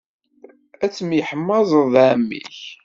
Ad temyeḥmaẓeḍ d ɛemmi-k.